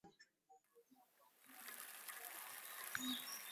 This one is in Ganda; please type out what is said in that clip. BMK alaga olugendo lwe okuva mu kusuubula emmwanyi.